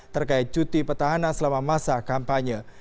terkait cuti petahana selama masa kampanye